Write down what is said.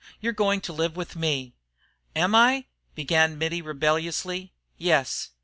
You're going to live with me." "Am I ?" began Mittie, rebelliously. "Yes."